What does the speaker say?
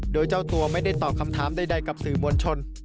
โดยเจ้าตัวไม่ได้ตอบคำถามใดกับสื่อมวลชน